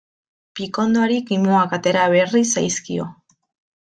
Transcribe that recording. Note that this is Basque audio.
Pikondoari kimuak atera berri zaizkio.